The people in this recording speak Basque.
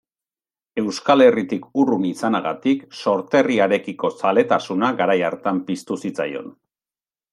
Euskal Herritik urrun izanagatik, sorterriarekiko zaletasuna garai hartan piztu zitzaion.